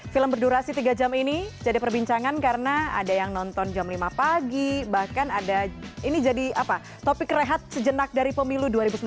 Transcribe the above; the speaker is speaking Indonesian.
film berdurasi tiga jam ini jadi perbincangan karena ada yang nonton jam lima pagi bahkan ada ini jadi topik rehat sejenak dari pemilu dua ribu sembilan belas